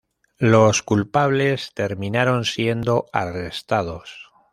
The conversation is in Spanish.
Los culpables terminaron siendo arrestados.